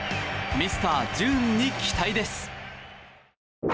ミスターＪＵＮＥに期待です！